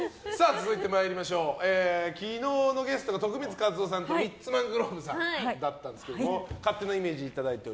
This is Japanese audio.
続いて、昨日のゲストが徳光和夫さんとミッツ・マングローブさんだったんですが勝手なイメージです。